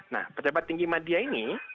nah pejabat tinggi media ini